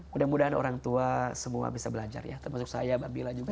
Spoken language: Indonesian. mudah mudahan orang tua semua bisa belajar ya termasuk saya mbak bila juga